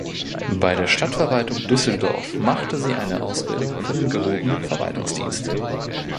Bei der Stadtverwaltung Düsseldorf machte sie eine Ausbildung für den gehobenen Verwaltungsdienst.